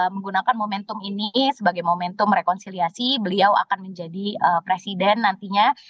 menggunakan momentum ini sebagai momentum rekonsiliasi beliau akan menjadi presiden nantinya